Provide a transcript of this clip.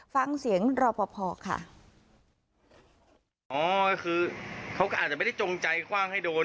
ฟังเสียงรอบพอค่ะ